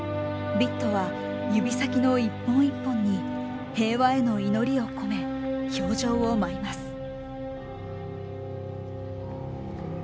ビットは指先の一本一本に平和への祈りを込め氷上を舞います。